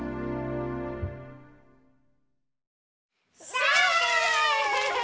さあ！